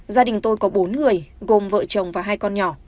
gia đình tôi có bốn người gồm vợ chồng và hai con nhỏ